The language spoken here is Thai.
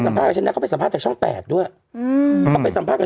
สัมภาพกับฉันนะเขาไปสัมภาพจากช่องแปดด้วยอืมเขาไปสัมภาพกับ